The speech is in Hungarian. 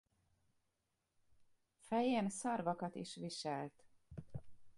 Fején szarvakat is viselt.